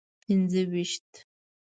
پنځه ویشت.